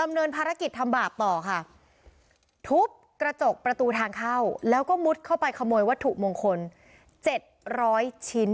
ดำเนินภารกิจทำบาปต่อค่ะทุบกระจกประตูทางเข้าแล้วก็มุดเข้าไปขโมยวัตถุมงคล๗๐๐ชิ้น